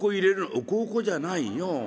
「お香々じゃないよ